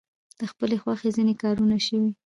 د خپلې خوښې ځینې کارونه شوي.